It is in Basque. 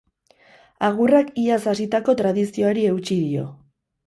Agurrak iaz hasitako tradizioari eutsi dio.